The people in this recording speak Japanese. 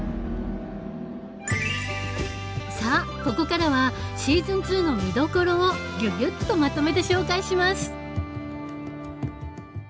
さあここからはシーズン２の見どころをギュギュッとまとめて紹介します。